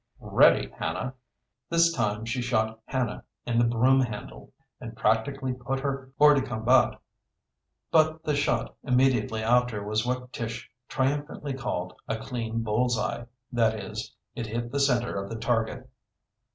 "Ready, Hannah." This time she shot Hannah in the broomhandle, and practically put her hors de combat; but the shot immediately after was what Tish triumphantly called a clean bull's eye that is, it hit the center of the target.